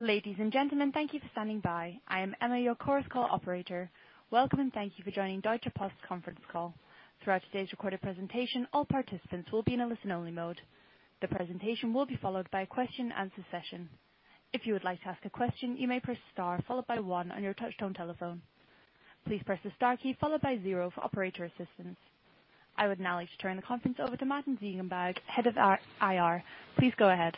Ladies and gentlemen, thank you for standing by. I am Emma, your Chorus Call operator. Welcome. Thank you for joining Deutsche Post conference call. Throughout today's recorded presentation, all participants will be in a listen-only mode. The presentation will be followed by a question and answer session. If you would like to ask a question, you may press star followed by one on your touch-tone telephone. Please press the star key followed by zero for operator assistance. I would now like to turn the conference over to Martin Ziegenbalg, Head of IR. Please go ahead.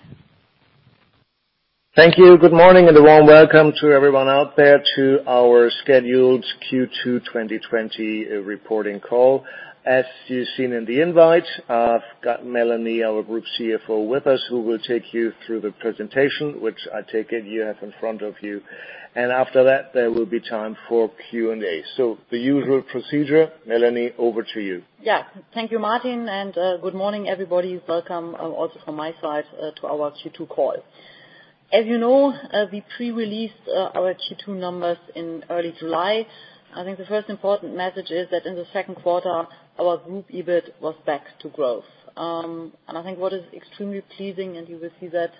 Thank you. Good morning, and a warm welcome to everyone out there to our scheduled Q2 2020 reporting call. As you've seen in the invite, I've got Melanie, our group CFO with us, who will take you through the presentation, which I take it you have in front of you. After that, there will be time for Q&A. The usual procedure. Melanie, over to you. Thank you, Martin, and good morning, everybody. Welcome, also from my side, to our Q2 call. As you know, we pre-released our Q2 numbers in early July. I think the 1st important message is that in the second quarter, our group EBIT was back to growth. I think what is extremely pleasing, and you will see that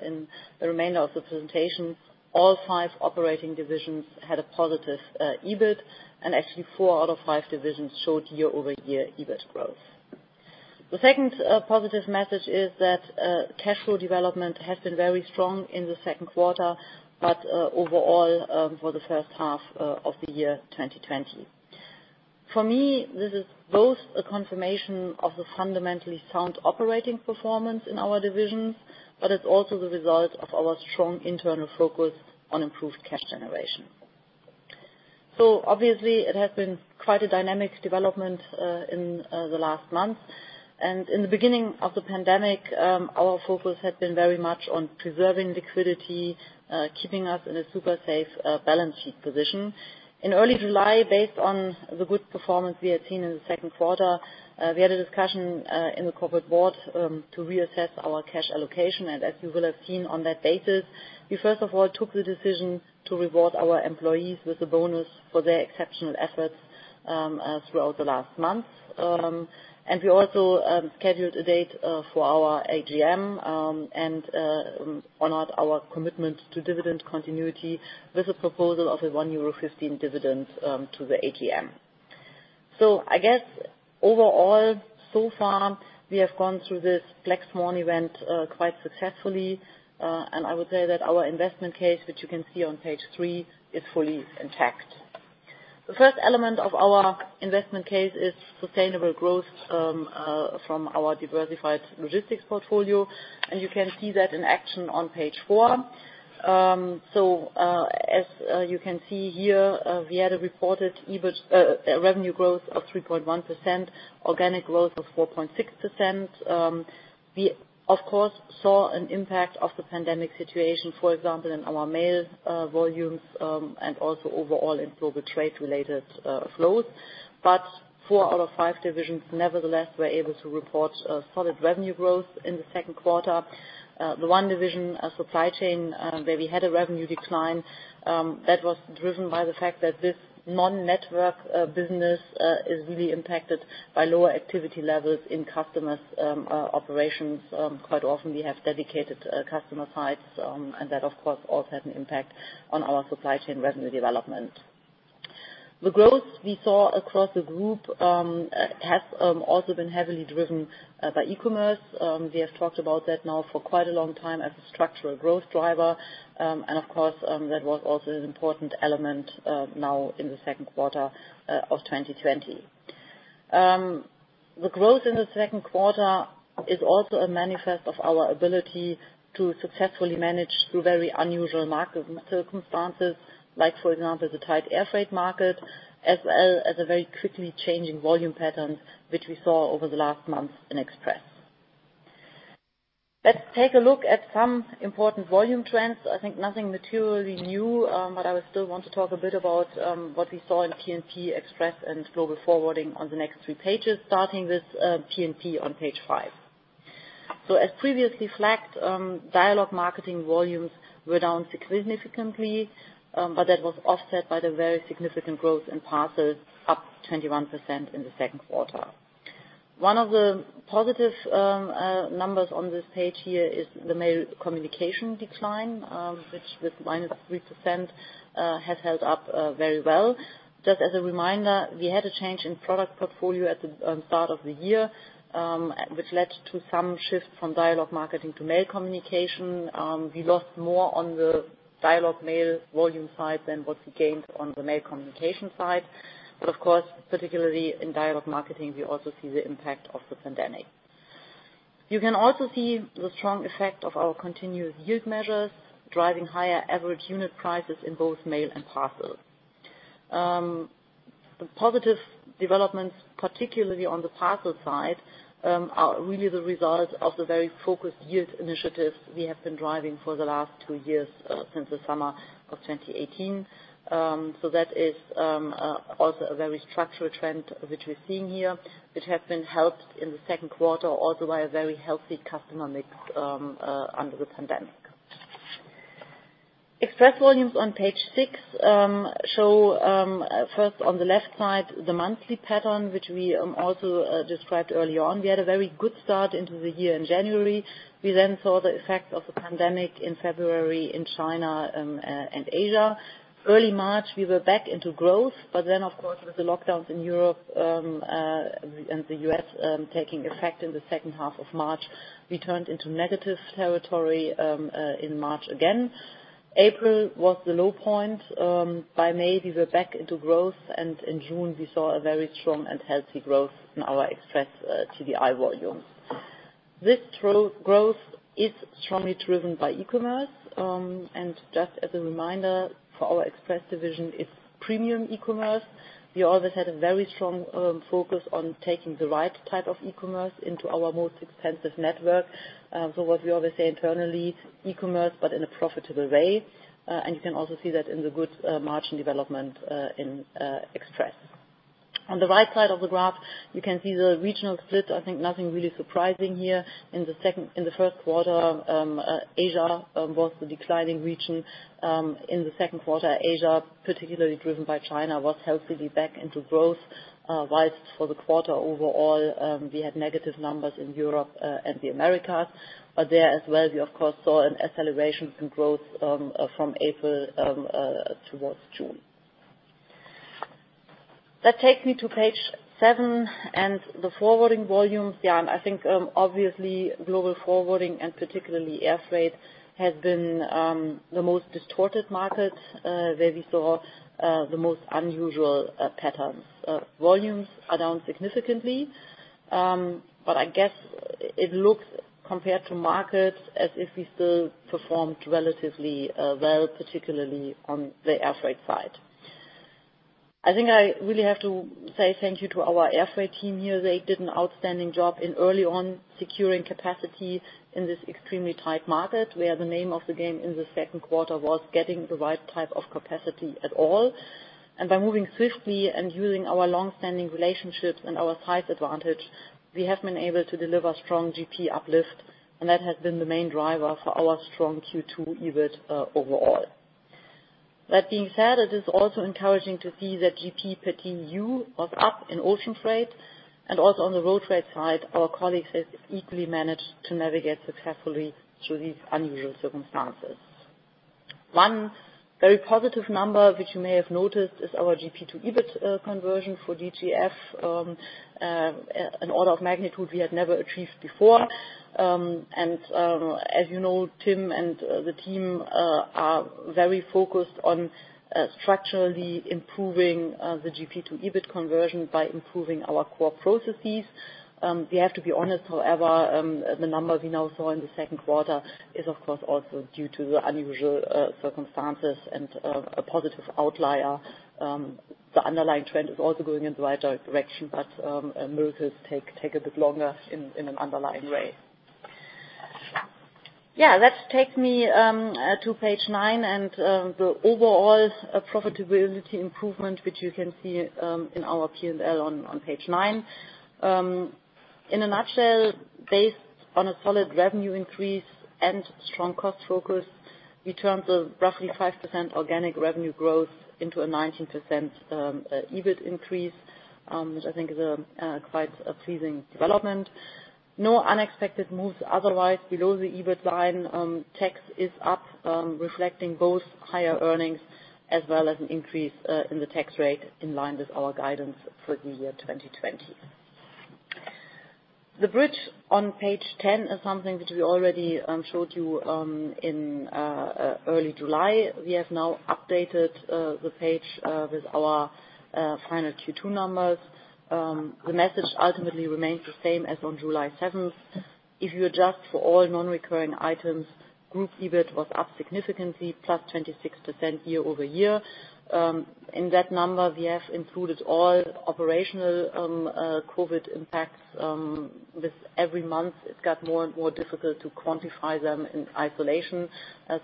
in the remainder of the presentation, all five operating divisions had a positive EBIT, and actually four out of five divisions showed year-over-year EBIT growth. The 2nd positive message is that cash flow development has been very strong in the second quarter, but overall for the first half of the year 2020. For me, this is both a confirmation of the fundamentally sound operating performance in our divisions, but it's also the result of our strong internal focus on improved cash generation. Obviously, it has been quite a dynamic development in the last month. In the beginning of the pandemic, our focus had been very much on preserving liquidity, keeping us in a super safe balance sheet position. In early July, based on the good performance we had seen in the second quarter, we had a discussion in the corporate board, to reassess our cash allocation. As you will have seen on that basis, we first of all took the decision to reward our employees with a bonus for their exceptional efforts throughout the last month. We also scheduled a date for our AGM, and honored our commitment to dividend continuity with a proposal of a 1.15 euro dividend to the AGM. I guess overall, so far, we have gone through this Black Swan event quite successfully. I would say that our investment case, which you can see on page three, is fully intact. The first element of our investment case is sustainable growth from our diversified logistics portfolio, and you can see that in action on page four. As you can see here, we had a reported EBIT revenue growth of 3.1%, organic growth of 4.6%. We, of course, saw an impact of the pandemic situation, for example, in our mail volumes, and also overall in global trade-related flows. Four out of five divisions, nevertheless, were able to report a solid revenue growth in the second quarter. The one division, Supply Chain, where we had a revenue decline, that was driven by the fact that this non-network business is really impacted by lower activity levels in customers' operations. Quite often, we have dedicated customer sites, and that of course also had an impact on our Supply Chain revenue development. The growth we saw across the group has also been heavily driven by e-commerce. We have talked about that now for quite a long time as a structural growth driver. Of course, that was also an important element now in the second quarter of 2020. The growth in the second quarter is also a manifest of our ability to successfully manage through very unusual market circumstances, like for example, the tight Air Freight market, as well as a very quickly changing volume pattern, which we saw over the last month in Express. Let's take a look at some important volume trends. I think nothing materially new, but I would still want to talk a bit about what we saw in P&P Express and Global Forwarding on the next three pages, starting with P&P on page five. As previously flagged, dialogue marketing volumes were down significantly, but that was offset by the very significant growth in parcels, up 21% in the second quarter. One of the positive numbers on this page here is the mail communication decline, which with -3%, has held up very well. Just as a reminder, we had a change in product portfolio at the start of the year, which led to some shift from dialogue marketing to mail communication. We lost more on the dialogue mail volume side than what we gained on the mail communication side. Of course, particularly in dialogue marketing, we also see the impact of the pandemic. You can also see the strong effect of our continuous yield measures, driving higher average unit prices in both mail and parcels. The positive developments, particularly on the parcel side, are really the result of the very focused yield initiatives we have been driving for the last two years since the summer of 2018. That is also a very structural trend which we're seeing here, which has been helped in the second quarter also by a very healthy customer mix under the pandemic. Express volumes on page six show, 1st on the left side, the monthly pattern, which we also described early on. We had a very good start into the year in January. We saw the effect of the pandemic in February in China and Asia. Early March, we were back into growth. Of course, with the lockdowns in Europe and the U.S. taking effect in the second half of March, we turned into negative territory in March again. April was the low point. By May, we were back into growth, in June, we saw a very strong and healthy growth in our Express TDI volumes. This growth is strongly driven by e-commerce. Just as a reminder, for our Express division, it's premium e-commerce. We always had a very strong focus on taking the right type of e-commerce into our most expensive network. What we always say internally, e-commerce but in a profitable way. You can also see that in the good margin development in Express. On the right side of the graph, you can see the regional split. I think nothing really surprising here. In the first quarter, Asia was the declining region. In the second quarter, Asia, particularly driven by China, was healthily back into growth, whilst for the quarter overall, we had negative numbers in Europe and the Americas. There as well, we of course, saw an acceleration in growth from April towards June. That takes me to page seven and the forwarding volumes. I think obviously, Global Forwarding and particularly Air Freight, has been the most distorted market, where we saw the most unusual patterns. Volumes are down significantly, but I guess it looks, compared to markets, as if we still performed relatively well, particularly on the Air Freight side. I think I really have to say thank you to our Air Freight team here. They did an outstanding job in early on securing capacity in this extremely tight market, where the name of the game in the second quarter was getting the right type of capacity at all. By moving swiftly and using our longstanding relationships and our size advantage, we have been able to deliver strong GP uplift, and that has been the main driver for our strong Q2 EBIT overall. That being said, it is also encouraging to see that GP per TEU was up in Ocean Freight, and also on the Road Freight side, our colleagues have equally managed to navigate successfully through these unusual circumstances. One very positive number which you may have noticed is our GP to EBIT conversion for DGF, an order of magnitude we had never achieved before. As you know, Tim and the team are very focused on structurally improving the GP to EBIT conversion by improving our core processes. We have to be honest, however, the number we now saw in the second quarter is, of course, also due to the unusual circumstances and a positive outlier. The underlying trend is also going in the right direction, but merits take a bit longer in an underlying way. Yeah. That takes me to page nine and the overall profitability improvement, which you can see in our P&L on page nine. In a nutshell, based on a solid revenue increase and strong cost focus, we turned the roughly 5% organic revenue growth into a 19% EBIT increase, which I think is quite a pleasing development. No unexpected moves otherwise below the EBIT line. Tax is up, reflecting both higher earnings as well as an increase in the tax rate in line with our guidance for the year 2020. The bridge on page 10 is something that we already showed you in early July. We have now updated the page with our final Q2 numbers. The message ultimately remains the same as on July 7th. If you adjust for all non-recurring items, group EBIT was up significantly, plus 26% year-over-year. In that number, we have included all operational COVID impacts. With every month, it got more and more difficult to quantify them in isolation,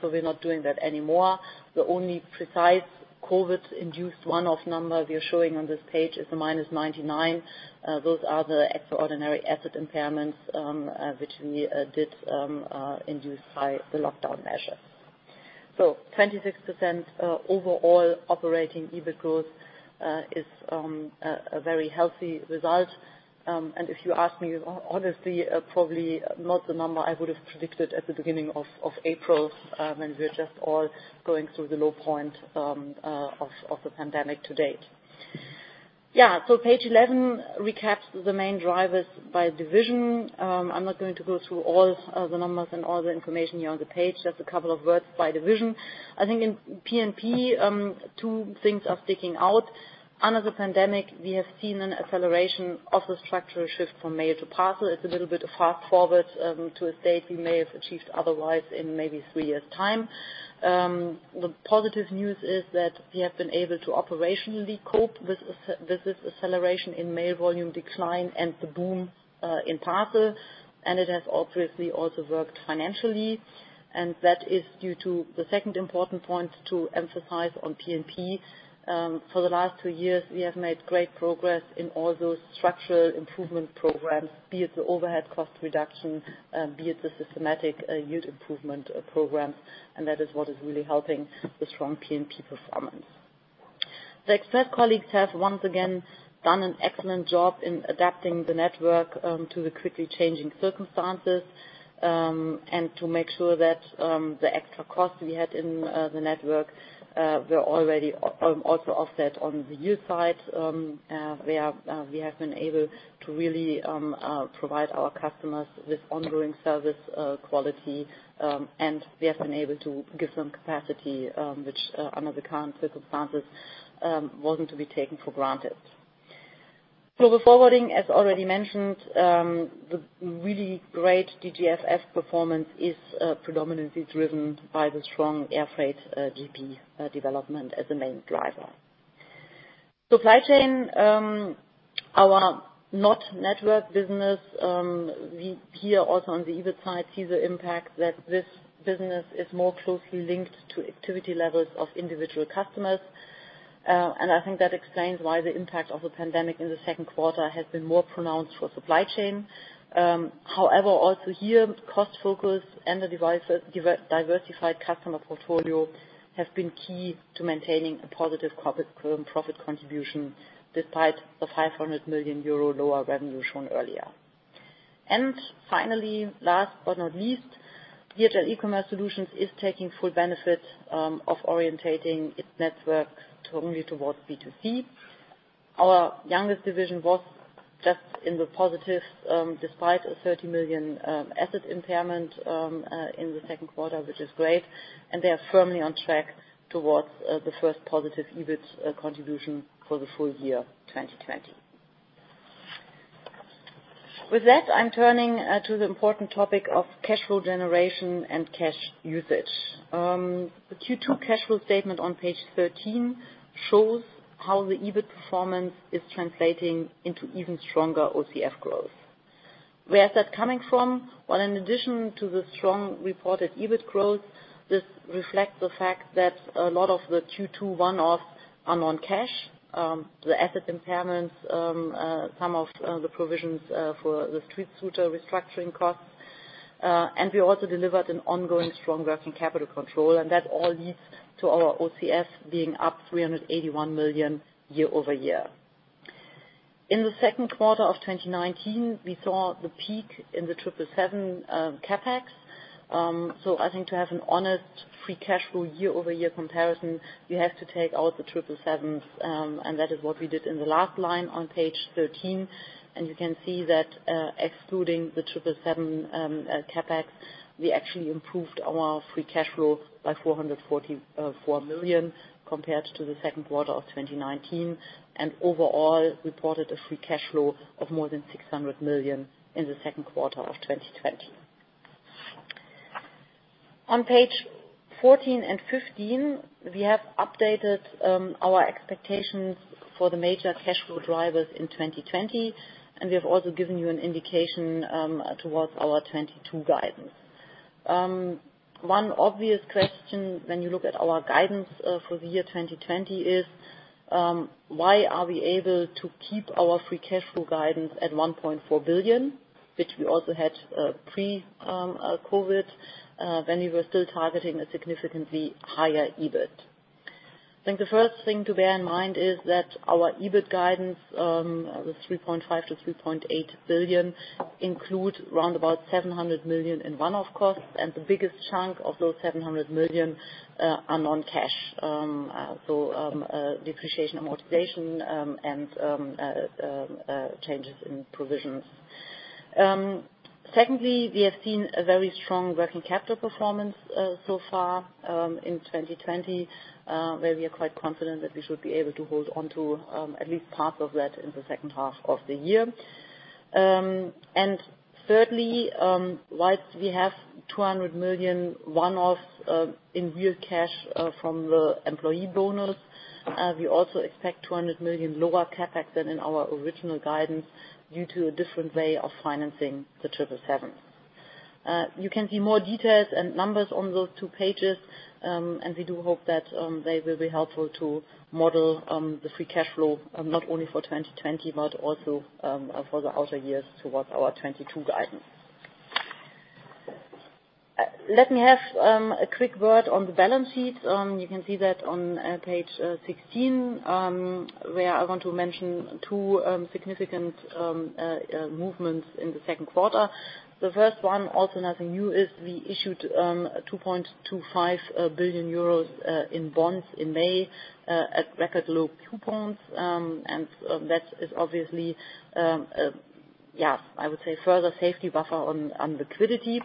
so we're not doing that anymore. The only precise COVID-induced one-off number we are showing on this page is the -99. Those are the extraordinary asset impairments which we did induce by the lockdown measure. 26% overall operating EBIT growth is a very healthy result. If you ask me, honestly, probably not the number I would have predicted at the beginning of April, when we were just all going through the low point of the pandemic to date. Yeah. Page 11 recaps the main drivers by division. I'm not going to go through all the numbers and all the information here on the page, just a couple of words by division. I think in P&P, two things are sticking out. Under the pandemic, we have seen an acceleration of the structural shift from mail to parcel. It's a little bit of fast-forward to a state we may have achieved otherwise in maybe three years' time. The positive news is that we have been able to operationally cope with this acceleration in mail volume decline and the boom in parcel. It has obviously also worked financially, and that is due to the second important point to emphasize on P&P. For the last two years, we have made great progress in all those structural improvement programs, be it the overhead cost reduction, be it the systematic yield improvement programs, and that is what is really helping the strong P&P performance. The Express colleagues have once again done an excellent job in adapting the network to the quickly changing circumstances, and to make sure that the extra cost we had in the network were already also offset on the yield side, where we have been able to really provide our customers with ongoing service quality, and we have been able to give them capacity, which under the current circumstances, wasn't to be taken for granted. Global Forwarding, as already mentioned, the really great DGF performance is predominantly driven by the strong Air Freight GP development as the main driver. Supply Chain, our not network business. We here also on the EBIT side, see the impact that this business is more closely linked to activity levels of individual customers. I think that explains why the impact of the pandemic in the second quarter has been more pronounced for Supply Chain. However, also here, cost focus and the diversified customer portfolio have been key to maintaining a positive current profit contribution despite the 500 million euro lower revenue shown earlier. Finally, last but not least, DHL eCommerce Solutions is taking full benefit of orientating its network totally towards B2C. Our youngest division was just in the positive, despite a 30 million asset impairment in the second quarter, which is great. They are firmly on track towards the first positive EBIT contribution for the full year 2020. With that, I'm turning to the important topic of cash flow generation and cash usage. The Q2 cash flow statement on page 13 shows how the EBIT performance is translating into even stronger OCF growth. Where is that coming from? Well, in addition to the strong reported EBIT growth, this reflects the fact that a lot of the Q2 one-offs are non-cash: the asset impairments, some of the provisions for the StreetScooter restructuring costs. We also delivered an ongoing strong working capital control, and that all leads to our OCF being up 381 million year-over-year. In the second quarter of 2019, we saw the peak in the 777 CapEx. I think to have an honest free cash flow year-over-year comparison, you have to take out the 777s, and that is what we did in the last line on page 13. You can see that excluding the 777 CapEx, we actually improved our free cash flow by 444 million compared to the second quarter of 2019. Overall, reported a free cash flow of more than 600 million in the second quarter of 2020. On page 14 and 15, we have updated our expectations for the major cash flow drivers in 2020, and we have also given you an indication towards our 2022 guidance. One obvious question when you look at our guidance for the year 2020 is, why are we able to keep our free cash flow guidance at 1.4 billion, which we also had pre-COVID, when we were still targeting a significantly higher EBIT? I think the 1st thing to bear in mind is that our EBIT guidance, the 3.5 billion-3.8 billion, includes around 700 million in one-off costs. The biggest chunk of those 700 million are non-cash. Depreciation, amortization, and changes in provisions. Secondly, we have seen a very strong working capital performance so far in 2020, where we are quite confident that we should be able to hold onto at least part of that in the second half of the year. Thirdly, whilst we have 200 million one-off in real cash from the employee bonus, we also expect 200 million lower CapEx than in our original guidance due to a different way of financing the 777. You can see more details and numbers on those two pages. We do hope that they will be helpful to model the free cash flow, not only for 2020, but also for the outer years towards our 2022 guidance. Let me have a quick word on the balance sheet. You can see that on page 16, where I want to mention two significant movements in the second quarter. The 1st one, also nothing new, is we issued 2.25 billion euros in bonds in May at record low coupons. That is obviously, I would say, further safety buffer on liquidity.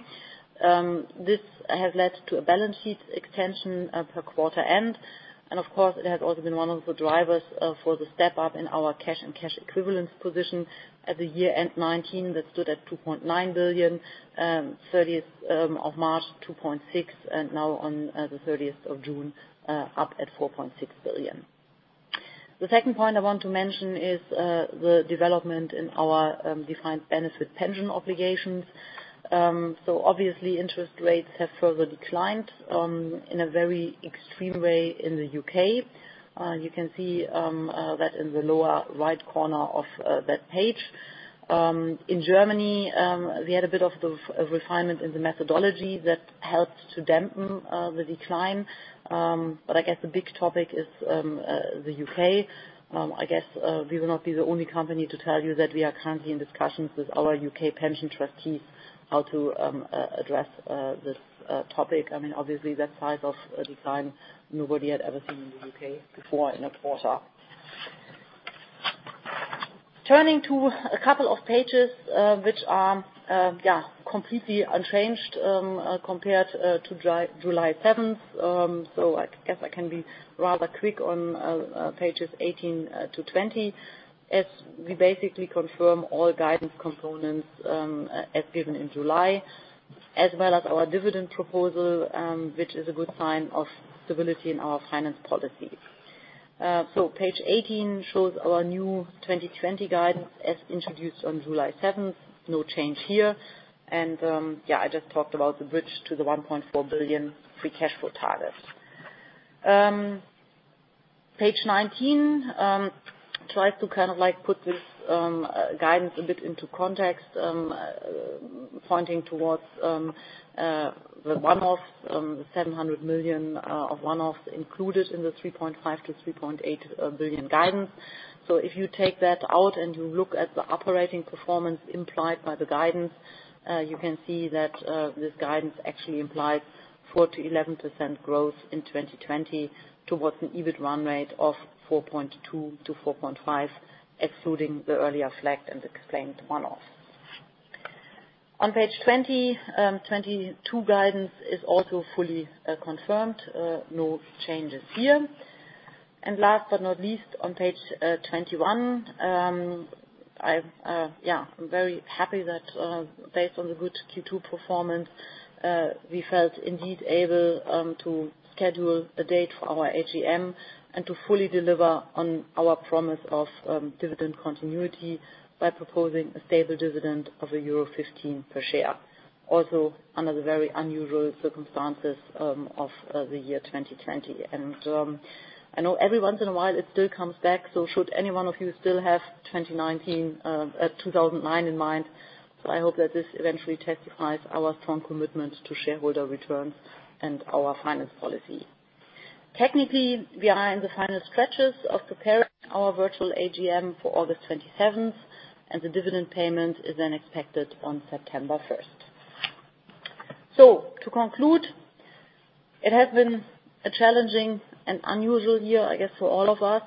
This has led to a balance sheet extension per quarter end, and of course, it has also been one of the drivers for the step up in our cash and cash equivalents position at the year end 2019, that stood at 2.9 billion, 30th of March 2.6 billion, and now on the 30th of June, up at 4.6 billion. The second point I want to mention is the development in our defined benefit pension obligations. Obviously interest rates have further declined in a very extreme way in the U.K. You can see that in the lower right corner of that page. In Germany, we had a bit of a refinement in the methodology that helped to dampen the decline. I guess the big topic is the U.K. I guess we will not be the only company to tell you that we are currently in discussions with our U.K. pension trustees how to address this topic. Obviously, that size of a decline, nobody had ever seen in the U.K. before in a quarter. Turning to a couple of pages which are completely unchanged compared to July 7th. I guess I can be rather quick on pages 18-20, as we basically confirm all guidance components as given in July, as well as our dividend proposal, which is a good sign of stability in our finance policy. Page 18 shows our new 2020 guidance as introduced on July 7th. No change here. I just talked about the bridge to the 1.4 billion free cash flow target. Page 19 tries to kind of put this guidance a bit into context, pointing towards the one-off, 700 million of one-offs included in the 3.5 billion-3.8 billion guidance. If you take that out and you look at the operating performance implied by the guidance, you can see that this guidance actually implies 4%-11% growth in 2020 towards an EBIT run rate of 4.2 billion-4.5 billion, excluding the earlier flagged and explained one-off. On page 20, 22 guidance is also fully confirmed. No changes here. Last but not least, on page 21, I am very happy that based on the good Q2 performance, we felt indeed able to schedule a date for our AGM and to fully deliver on our promise of dividend continuity by proposing a stable dividend of euro 1.15 per share, also under the very unusual circumstances of the year 2020. I know every once in a while it still comes back, should any one of you still have 2009 in mind, I hope that this eventually testifies our strong commitment to shareholder returns and our finance policy. Technically, we are in the final stretches of preparing our virtual AGM for August 27th, and the dividend payment is then expected on September 1st. To conclude, it has been a challenging and unusual year, I guess, for all of us.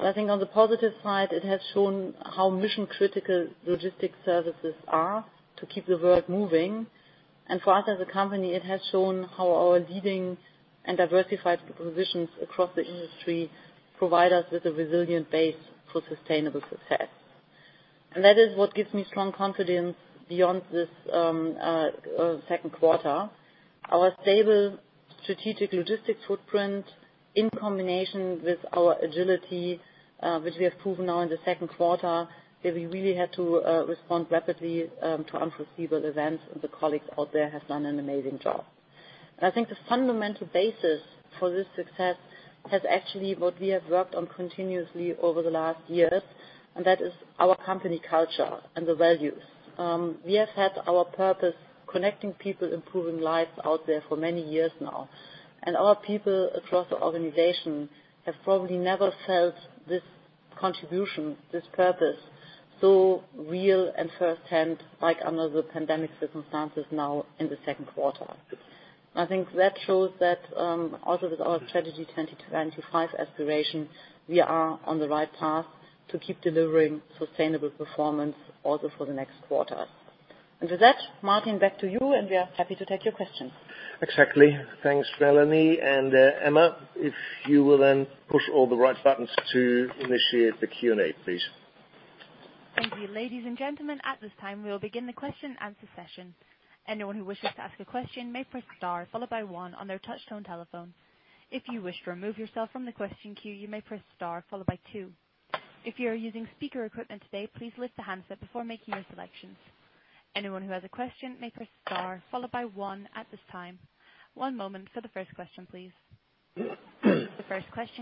I think on the positive side, it has shown how mission-critical logistics services are to keep the world moving. For us as a company, it has shown how our leading and diversified positions across the industry provide us with a resilient base for sustainable success. That is what gives me strong confidence beyond this second quarter. Our stable strategic logistics footprint in combination with our agility, which we have proven now in the second quarter, where we really had to respond rapidly to unforeseeable events. The colleagues out there have done an amazing job. I think the fundamental basis for this success has actually what we have worked on continuously over the last years. That is our company culture and the values. We have had our purpose, connecting people, improving lives out there for many years now. Our people across the organization have probably never felt this contribution, this purpose, so real and firsthand like under the pandemic circumstances now in the second quarter. I think that shows that also with our Strategy 2025 aspiration, we are on the right path to keep delivering sustainable performance also for the next quarters. With that, Martin, back to you, and we are happy to take your questions. Exactly. Thanks, Melanie. Emma, if you will then push all the right buttons to initiate the Q&A, please. Thank you. Ladies and gentlemen, at this time, we will begin the question and answer session. The 1st question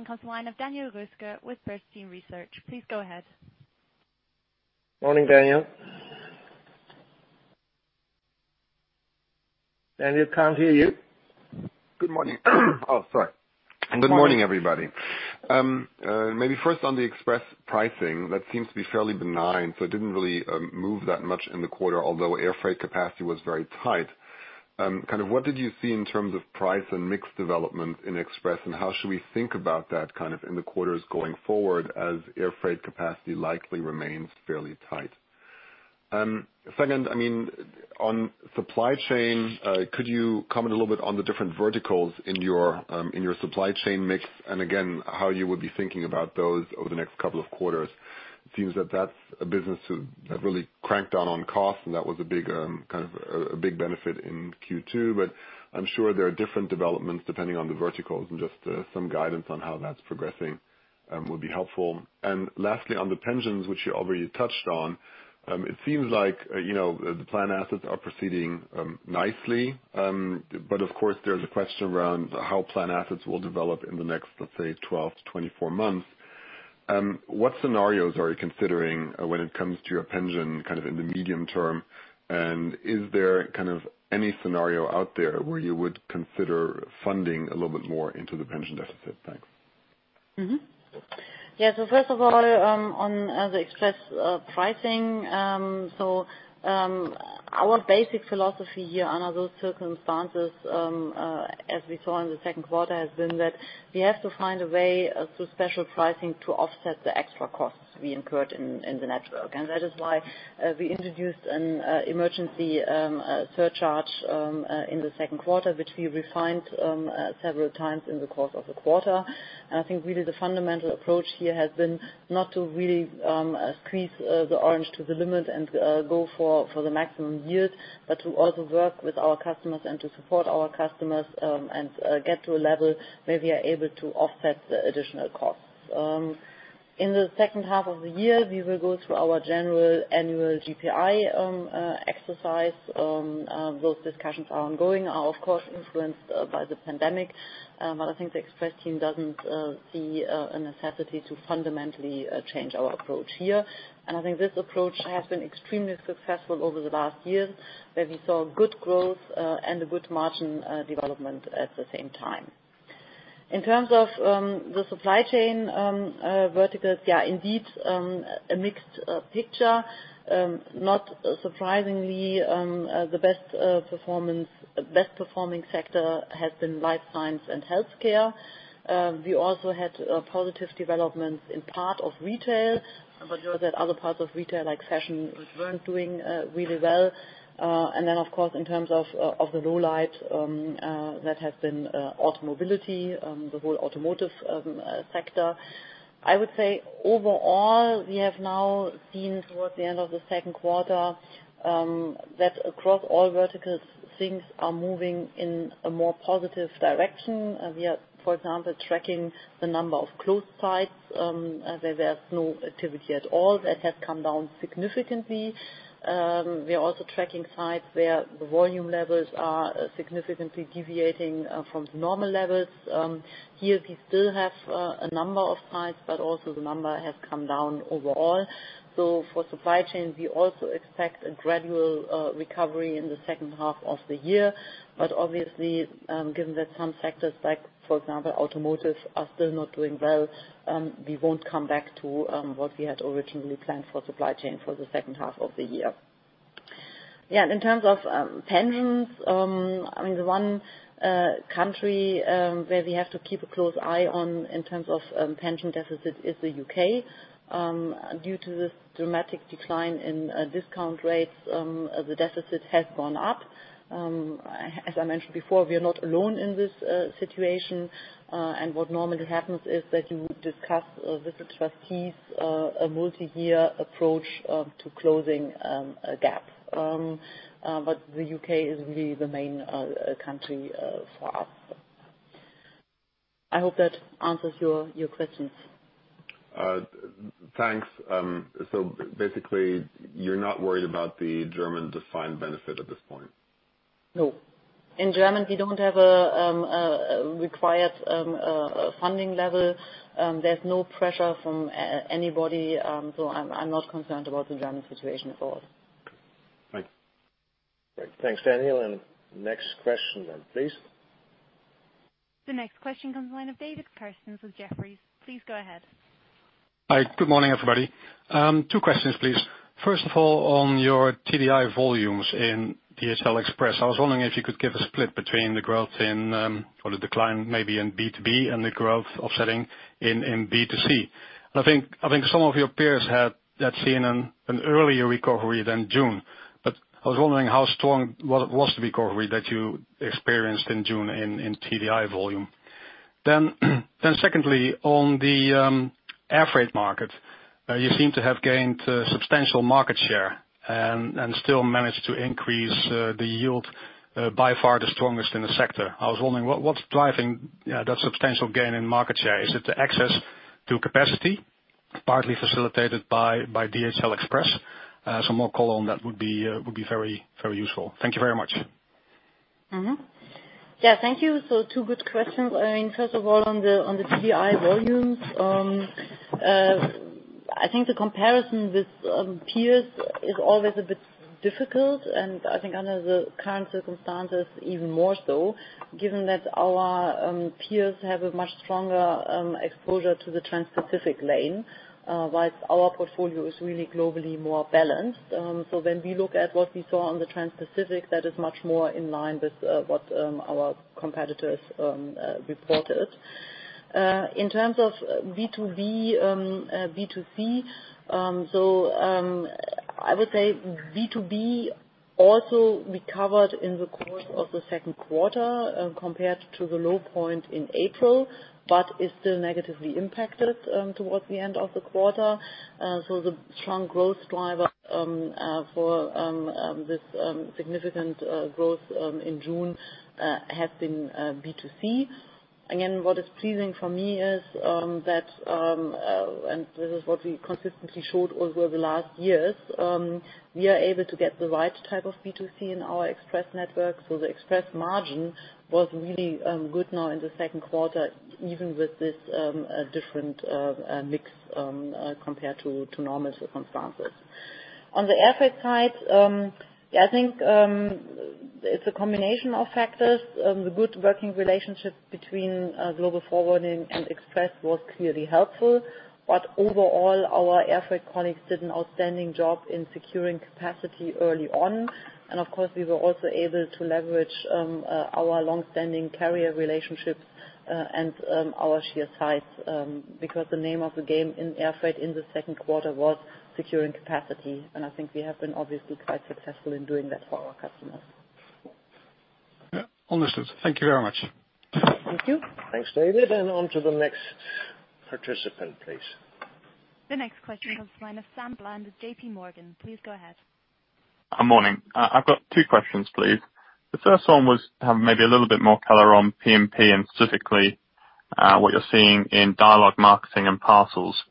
comes the line of Daniel Roeska with Bernstein Research. Please go ahead. Morning, Daniel. Daniel, can't hear you. Good morning. Oh, sorry. Good morning, everybody. Maybe 1st on the Express pricing, that seems to be fairly benign, so it didn't really move that much in the quarter, although Air Freight capacity was very tight. What did you see in terms of price and mix development in Express, and how should we think about that in the quarters going forward as Air Freight capacity likely remains fairly tight? 2nd, on Supply Chain, could you comment a little bit on the different verticals in your Supply Chain mix, and again, how you would be thinking about those over the next couple of quarters? It seems that that's a business that really cranked down on cost, and that was a big benefit in Q2. I'm sure there are different developments depending on the verticals and just some guidance on how that's progressing would be helpful. Lastly, on the pensions, which you already touched on. It seems like the plan assets are proceeding nicely. Of course, there's a question around how plan assets will develop in the next, let's say, 12-24 months. What scenarios are you considering when it comes to your pension in the medium term? Is there any scenario out there where you would consider funding a little bit more into the pension deficit? Thanks. Yeah. First of all, on the Express pricing. Our basic philosophy here under those circumstances, as we saw in the second quarter, has been that we have to find a way through special pricing to offset the extra costs we incurred in the network. That is why we introduced an emergency surcharge in the second quarter, which we refined several times in the course of the quarter. I think really the fundamental approach here has been not to really squeeze the orange to the limit and go for the maximum yield, but to also work with our customers and to support our customers, and get to a level where we are able to offset the additional costs. In the second half of the year, we will go through our general annual GPI exercise. Those discussions are ongoing, are of course influenced by the pandemic. I think the Express team doesn't see a necessity to fundamentally change our approach here. I think this approach has been extremely successful over the last years, where we saw good growth, and a good margin development at the same time. In terms of the Supply Chain verticals, yeah, indeed, a mixed picture. Not surprisingly, the best performing sector has been life science and healthcare. We also had positive developments in part of retail. You know that other parts of retail, like fashion, weren't doing really well. Then of course, in terms of the lowlight, that has been auto mobility, the whole automotive sector. I would say overall, we have now seen towards the end of the second quarter that across all verticals, things are moving in a more positive direction. We are, for example, tracking the number of closed sites, where there's no activity at all. That has come down significantly. We are also tracking sites where the volume levels are significantly deviating from the normal levels. Here, we still have a number of sites, but also the number has come down overall. For Supply Chain, we also expect a gradual recovery in the second half of the year. Obviously, given that some sectors, like for example automotive, are still not doing well, we won't come back to what we had originally planned for Supply Chain for the second half of the year. In terms of pensions, the one country where we have to keep a close eye on in terms of pension deficit is the U.K. Due to this dramatic decline in discount rates, the deficit has gone up. As I mentioned before, we are not alone in this situation. What normally happens is that you discuss with the trustees a multi-year approach to closing a gap. The U.K. is really the main country for us. I hope that answers your questions. Thanks. Basically you're not worried about the German defined benefit at this point? No. In German, we don't have a required funding level. There's no pressure from anybody. I'm not concerned about the German situation at all. Right. Great. Thanks, Daniel. Next question then, please. The next question comes from the line of David Kerstens with Jefferies. Please go ahead. Hi. Good morning, everybody. Two questions, please. 1st of all, on your TDI volumes in DHL Express, I was wondering if you could give a split between the growth in, or the decline maybe, in B2B, and the growth offsetting in B2C. I think some of your peers had seen an earlier recovery than June, but I was wondering how strong was the recovery that you experienced in June in TDI volume. Secondly, on the Air Freight market, you seem to have gained substantial market share and still managed to increase the yield by far the strongest in the sector. I was wondering, what's driving that substantial gain in market share? Is it the access to capacity, partly facilitated by DHL Express? Some more color on that would be very useful. Thank you very much. Yeah, thank you. Two good questions. 1st of all, on the TDI volumes, I think the comparison with peers is always a bit difficult, and I think under the current circumstances, even more so, given that our peers have a much stronger exposure to the Transpacific lane, whilst our portfolio is really globally more balanced. When we look at what we saw on the Transpacific, that is much more in line with what our competitors reported. In terms of B2B, B2C, I would say B2B also recovered in the course of the second quarter compared to the low point in April, but is still negatively impacted towards the end of the quarter. The strong growth driver for this significant growth in June has been B2C. Again, what is pleasing for me is that, and this is what we consistently showed over the last years, we are able to get the right type of B2C in our Express network. The Express margin was really good now in the second quarter, even with this different mix compared to normal circumstances. On the Air Freight side, I think it's a combination of factors. The good working relationship between Global Forwarding and Express was clearly helpful. Overall, our Air Freight colleagues did an outstanding job in securing capacity early on. Of course, we were also able to leverage our longstanding carrier relationships and our sheer size because the name of the game in Air Freight in the second quarter was securing capacity, and I think we have been obviously quite successful in doing that for our customers. Yeah. Understood. Thank you very much. Thank you. Thanks, David. Onto the next participant, please. The next question comes from the line of Sam Bland with JPMorgan. Please go ahead. Good morning. I've got two questions, please. The first one was to have maybe a little bit more color on P&P and specifically, what you're seeing in dialogue marketing and parcels,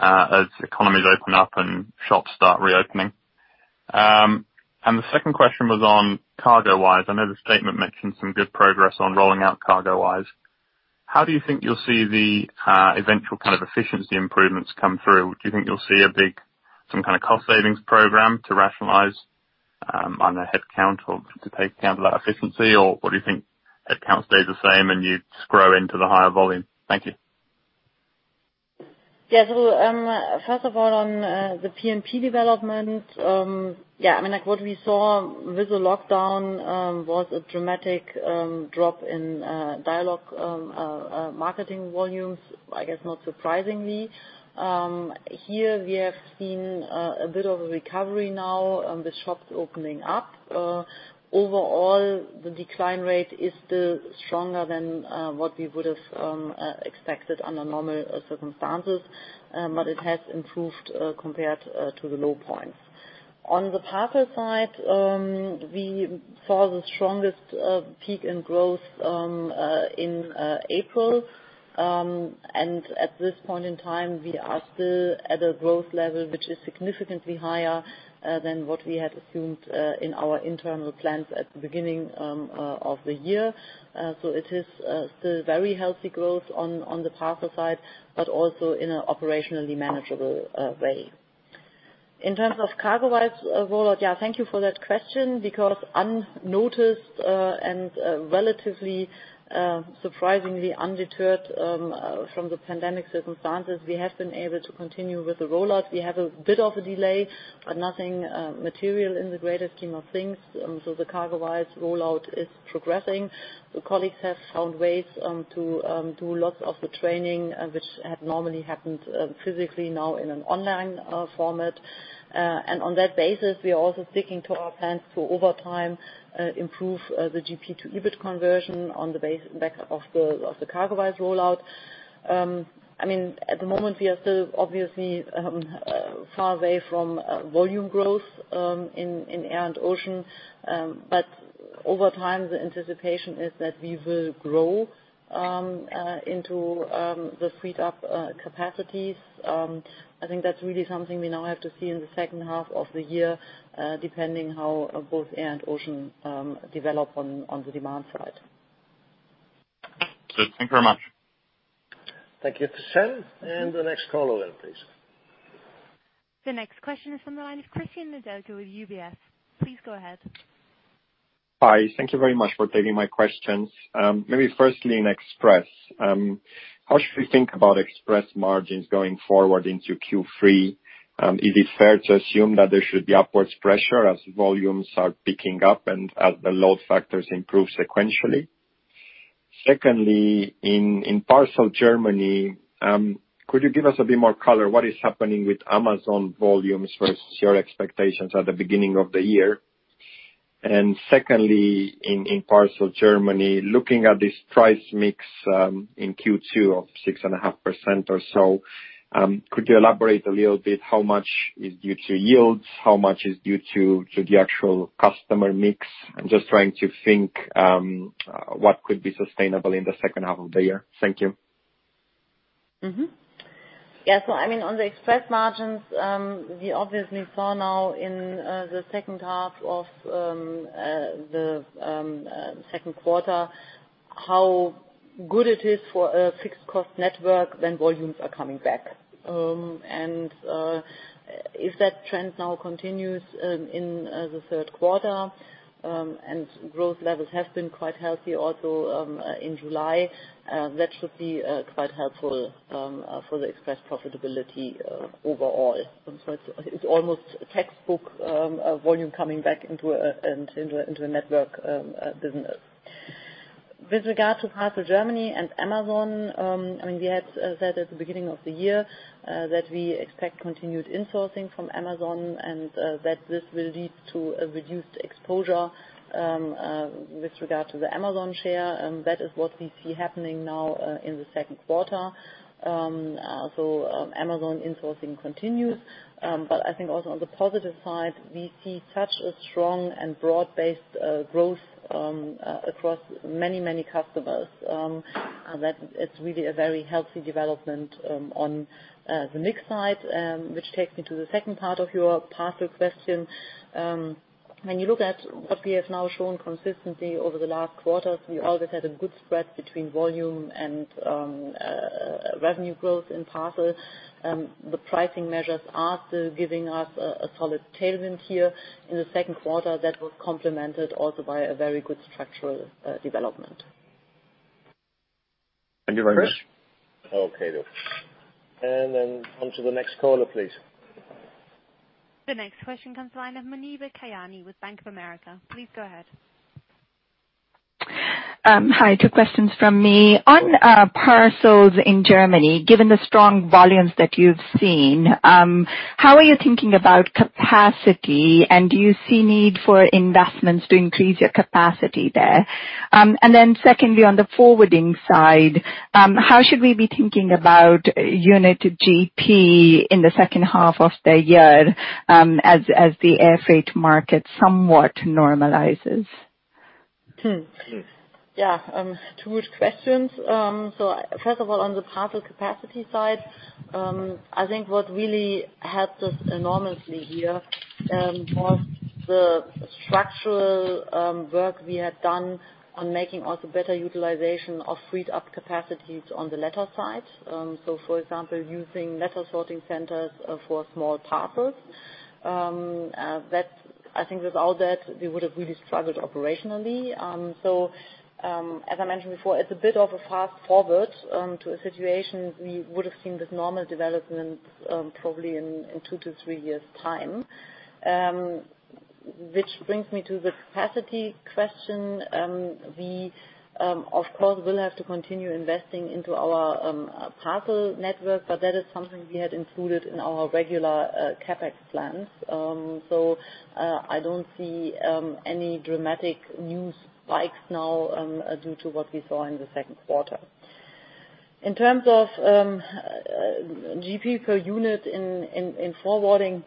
as economies open up and shops start reopening. The second question was on CargoWise. I know the statement mentioned some good progress on rolling out CargoWise. How do you think you'll see the eventual efficiency improvements come through? Do you think you'll see a big, some kind of cost savings program to rationalize on the headcount or to take account of that efficiency? Or what do you think, headcount stays the same and you just grow into the higher volume? Thank you. First of all on the P&P development, what we saw with the lockdown was a dramatic drop in dialogue marketing volumes, I guess not surprisingly. Here we have seen a bit of a recovery now with shops opening up. Overall, the decline rate is still stronger than what we would've expected under normal circumstances. It has improved compared to the low points. On the parcel side, we saw the strongest peak in growth in April. At this point in time, we are still at a growth level, which is significantly higher than what we had assumed in our internal plans at the beginning of the year. It is still very healthy growth on the parcel side, but also in an operationally manageable way. In terms of CargoWise rollout, yeah, thank you for that question because unnoticed, and relatively surprisingly undeterred from the pandemic circumstances, we have been able to continue with the rollout. We have a bit of a delay, but nothing material in the greater scheme of things. The CargoWise rollout is progressing. The colleagues have found ways to do lots of the training, which had normally happened physically now in an online format . On that basis, we are also sticking to our plans to over time improve the GP to EBIT conversion on the back of the CargoWise rollout. At the moment, we are still obviously far away from volume growth in Air and Ocean. Over time, the anticipation is that we will grow into the freed up capacities. I think that's really something we now have to see in the second half of the year, depending how both Air and Ocean develop on the demand side. Good. Thank you very much. Thank you for Sam. The next caller then, please. The next question is from the line of Cristian Nedelcu with UBS. Please go ahead. Hi. Thank you very much for taking my questions. Maybe firstly in Express, how should we think about Express margins going forward into Q3? Is it fair to assume that there should be upwards pressure as volumes are picking up and as the load factors improve sequentially? Secondly, in Parcel Germany, could you give us a bit more color, what is happening with Amazon volumes versus your expectations at the beginning of the year? Secondly, in Parcel Germany, looking at this price mix in Q2 of 6.5% or so, could you elaborate a little bit how much is due to yields? How much is due to the actual customer mix? I'm just trying to think what could be sustainable in the second half of the year. Thank you. Yeah, so, on the Express margins, we obviously saw now in the second half of the second quarter how good it is for a fixed cost network when volumes are coming back. If that trend now continues in the third quarter, and growth levels have been quite healthy also in July, that should be quite helpful for the Express profitability overall. It's almost a textbook volume coming back into a network business. With regard to Parcel Germany and Amazon, we had said at the beginning of the year that we expect continued insourcing from Amazon, and that this will lead to a reduced exposure with regard to the Amazon share, and that is what we see happening now in the second quarter. Amazon insourcing continues. I think also on the positive side, we see such a strong and broad-based growth across many customers, that it's really a very healthy development on the mix side, which takes me to the 2nd part of your parcel question. When you look at what we have now shown consistently over the last quarters, we always had a good spread between volume and revenue growth in parcel. The pricing measures are still giving us a solid tailwind here in the second quarter that was complemented also by a very good structural development. Thank you very much. Okay, then. Onto the next caller, please. The next question comes the line of Muneeba Kayani with Bank of America. Please go ahead. Hi, two questions from me. On parcels in Germany, given the strong volumes that you've seen, how are you thinking about capacity, and do you see need for investments to increase your capacity there? Secondly, on the forwarding side, how should we be thinking about unit GP in the second half of the year, as the Air Freight market somewhat normalizes? Yeah. Two good questions. First of all, on the parcel capacity side, I think what really helped us enormously here, was the structural work we had done on making also better utilization of freed up capacities on the letter side. For example, using letter sorting centers for small parcels. I think without that, we would have really struggled operationally. As I mentioned before, it's a bit of a fast-forward to a situation we would have seen this normal development probably in two to three years' time. Which brings me to the capacity question. We, of course, will have to continue investing into our parcel network, but that is something we had included in our regular CapEx plans. I don't see any dramatic new spikes now, due to what we saw in the second quarter. In terms of GP per unit in forwarding,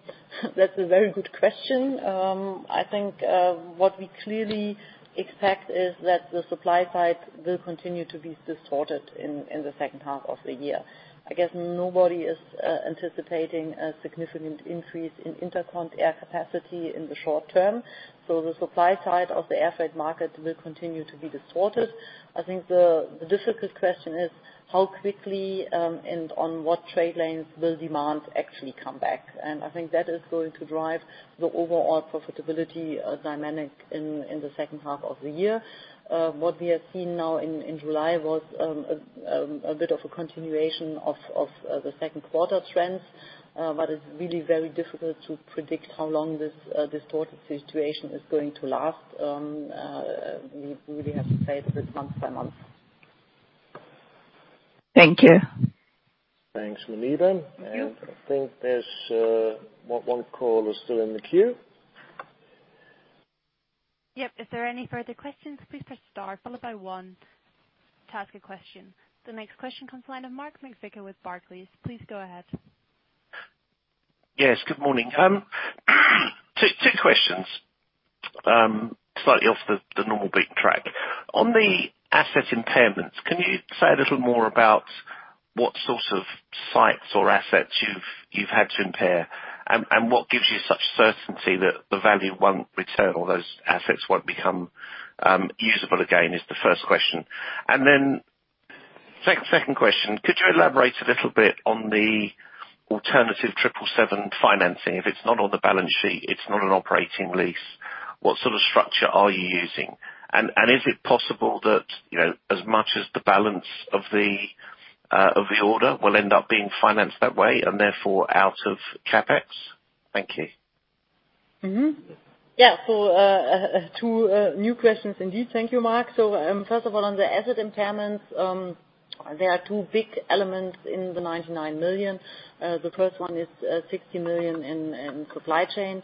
that's a very good question. I think, what we clearly expect is that the supply side will continue to be distorted in the second half of the year. I guess nobody is anticipating a significant increase in intercont air capacity in the short term. The supply side of the Air Freight market will continue to be distorted. I think the difficult question is how quickly, and on what trade lanes will demand actually come back. I think that is going to drive the overall profitability dynamic in the second half of the year. What we have seen now in July was a bit of a continuation of the second quarter trends, but it's really very difficult to predict how long this distorted situation is going to last. We really have to play it this month by month. Thank you. Thanks, Muneeba. Thank you. I think there's one caller still in the queue. Yep. If there are any further questions, please press star followed by one to ask a question. The next question comes the line of Mark McVicar with Barclays. Please go ahead. Yes, good morning. Two questions slightly off the normal beaten track. On the asset impairments, can you say a little more about what sort of sites or assets you've had to impair, and what gives you such certainty that the value won't return or those assets won't become usable again, is the 1st question. 2nd question, could you elaborate a little bit on the alternative 777 financing? If it's not on the balance sheet, it's not an operating lease, what sort of structure are you using? Is it possible that as much as the balance of the order will end up being financed that way and therefore out of CapEx? Thank you. Two new questions indeed. Thank you, Mark. First of all, on the asset impairments, there are two big elements in the 99 million. The 1st one is 60 million in Supply Chain,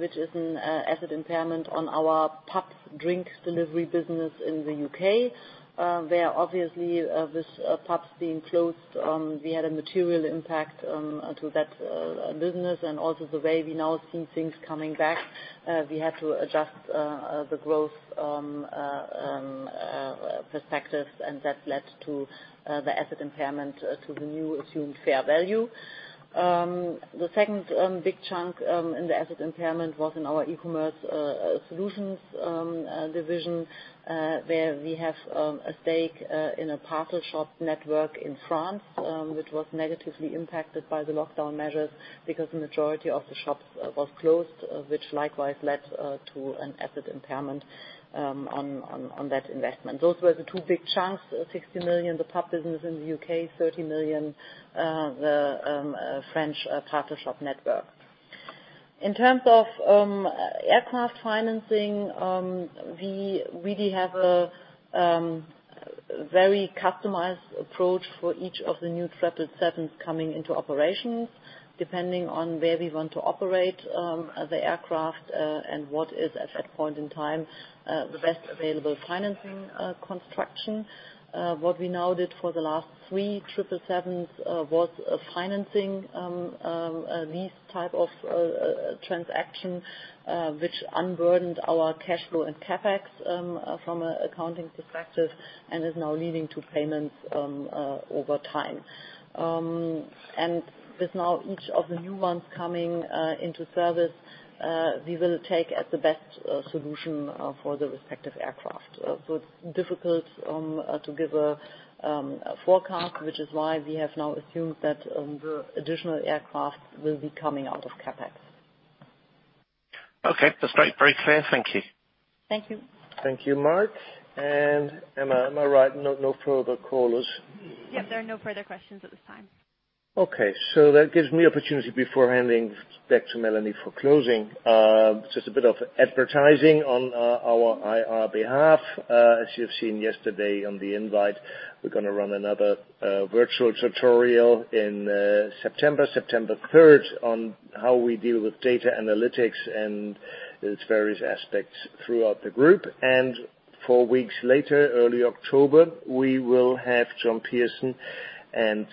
which is an asset impairment on our pub drinks delivery business in the U.K., where obviously with pubs being closed, we had a material impact to that business. Also the way we now see things coming back, we had to adjust the growth perspective, that led to the asset impairment to the new assumed fair value. The second big chunk in the asset impairment was in our DHL eCommerce Solutions division, where we have a stake in a parcel shop network in France, which was negatively impacted by the lockdown measures because the majority of the shops was closed, which likewise led to an asset impairment on that investment. Those were the two big chunks, 60 million, the pub business in the U.K., 30 million, the French parcel shop network. In terms of aircraft financing, we really have a very customized approach for each of the new 777s coming into operation, depending on where we want to operate the aircraft and what is, at that point in time, the best available financing construction. What we now did for the last three 777s was a financing lease type of transaction, which unburdened our cash flow and CapEx from an accounting perspective and is now leading to payments over time. With now each of the new ones coming into service, we will take the best solution for the respective aircraft. It's difficult to give a forecast, which is why we have now assumed that the additional aircraft will be coming out of CapEx. Okay. That's very clear. Thank you. Thank you. Thank you, Mark. Emma, am I right? No further callers? Yep. There are no further questions at this time. Okay. That gives me opportunity before handing back to Melanie for closing. Just a bit of advertising on our IR behalf. As you have seen yesterday on the invite, we're going to run another virtual tutorial in September. September 3rd, on how we deal with data analytics and its various aspects throughout the group. Four weeks later, early October, we will have John Pearson and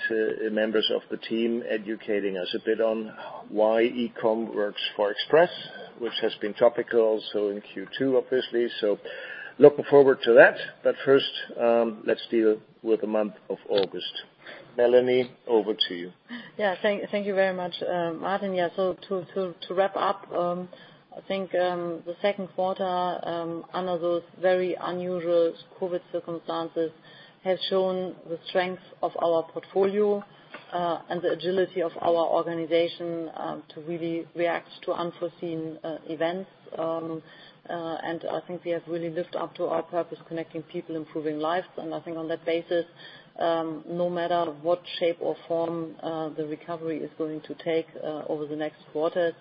members of the team educating us a bit on why e-com works for Express, which has been topical also in Q2, obviously. Looking forward to that. 1st, let's deal with the month of August. Melanie, over to you. Thank you very much, Martin. To wrap up, I think the second quarter under those very unusual COVID circumstances has shown the strength of our portfolio and the agility of our organization to really react to unforeseen events. I think we have really lived up to our purpose, connecting people, improving lives. I think on that basis, no matter what shape or form the recovery is going to take over the next quarter,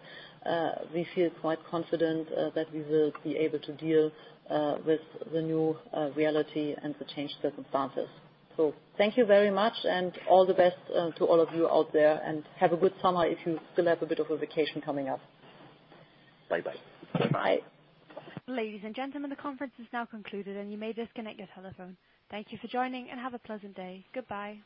we feel quite confident that we will be able to deal with the new reality and the changed circumstances. Thank you very much and all the best to all of you out there, and have a good summer if you still have a bit of a vacation coming up. Bye-bye. Bye. Ladies and gentlemen, the conference is now concluded and you may disconnect your telephone. Thank you for joining and have a pleasant day. Goodbye.